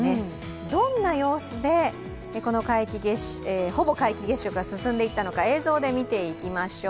どんな様子でほぼ皆既月食が進んでいったのか映像で見ていきましょう。